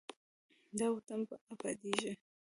دا وطن به ابادیږي.